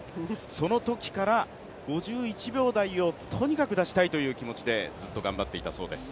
そのときから、５１秒台をとにかく出したいという気持ちでずっと頑張っていたそうです。